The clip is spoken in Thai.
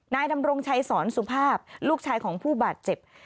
นายดำรงชัยสอนสุภาพลูกชายของผู้บาดเจ็บ